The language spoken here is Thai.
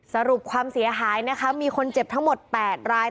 สรุปความเสียหายนะคะมีคนเจ็บทั้งหมด๘ราย